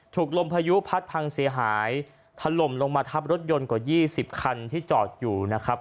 ลมพายุพัดพังเสียหายถล่มลงมาทับรถยนต์กว่า๒๐คันที่จอดอยู่นะครับ